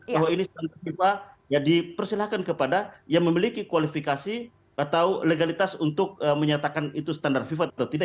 bahwa ini standar fifa ya dipersilahkan kepada yang memiliki kualifikasi atau legalitas untuk menyatakan itu standar fifa atau tidak